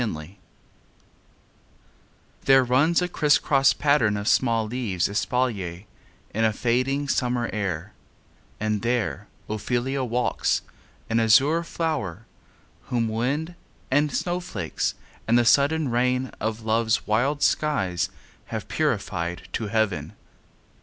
OPHELIA There runs a crisscross pattern of small leaves Espalier, in a fading summer air, And there Ophelia walks, an azure flower, Whom wind, and snowflakes, and the sudden rain Of love's wild skies have purified to heaven.